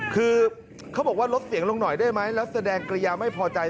คือเขาบอกว่าลดเสียงลงหน่อยได้ไหมแล้วแสดงกริยาไม่พอใจ